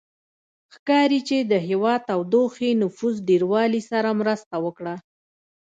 ښکاري چې د هوا تودوخې نفوس ډېروالي سره مرسته وکړه